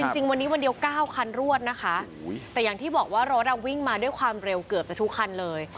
จริงวันนี้วันเดียว๙คันรวดนะคะแต่อย่างที่บอกว่ารถวิ่งมาด้วยความเร็วเกือบจะทุกคันเลย